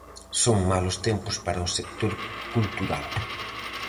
Son malos tempos para o sector cultural.